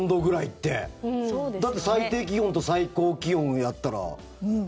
だって、最低気温と最高気温やったら。